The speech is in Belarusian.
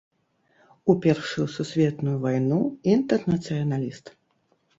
У першую сусветную вайну інтэрнацыяналіст.